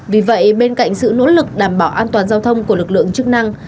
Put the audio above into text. vì vậy bên cạnh sự nỗ lực đảm bảo an toàn giao thông của lực lượng chức năng